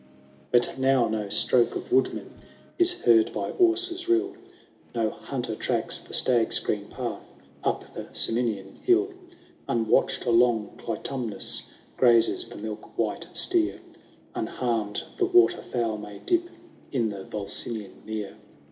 VII. But now no stroke of woodman Is heard by Auser's rill ; No hunter tracks the stag's green path Up the Ciminian hill ; Unwatched along Clitumnus Grazes the milk white steer ; Unharmed the water fowl may dip In the Volsinian mere.